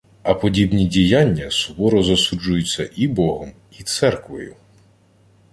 А подібні діяння суворо засуджуються і Богом, і церквою